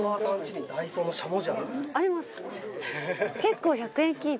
あります！